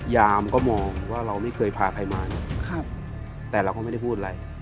ยามก็มองว่าเราไม่เคยพาใครมาเนี่ยแต่เราก็ไม่ได้พูดอะไร